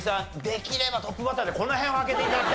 できればトップバッターでこの辺を開けて頂きたかった。